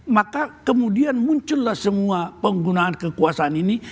maka kemudian muncullah semua penggunaan kekuasaan ini